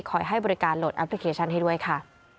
ให้บริการโหลดแอปพลิเคชันให้ด้วยค่ะ